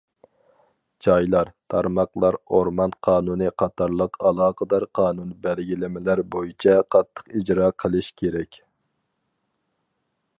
جايلار، تارماقلار ئورمان قانۇنى قاتارلىق ئالاقىدار قانۇن بەلگىلىمىلەر بويىچە قاتتىق ئىجرا قىلىش كېرەك.